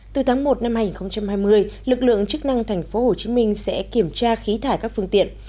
từ tháng một năm hai nghìn hai mươi lực lượng chức năng tp hcm sẽ kiểm tra khí thải các phương tiện